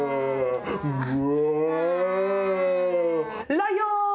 ライオン！